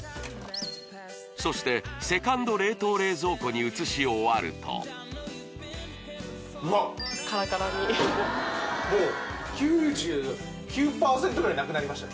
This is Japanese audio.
そしてセカンド冷凍冷蔵庫に移し終わるとうわカラカラにもう９９％ぐらいなくなりましたね